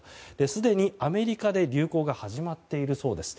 すでにアメリカで流行が始まっているそうです。